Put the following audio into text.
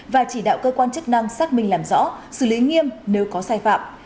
và chỉ đạo cơ quan chức năng xác minh làm rõ xử lý nghiêm nếu có sai phạm